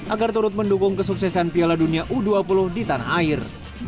agar turut mendukung kesuksesan piala dunia u dua puluh di tanah air